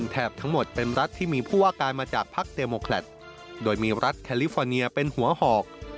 ก็จะเป็นแรงการทำให้อเมริกาดีอีก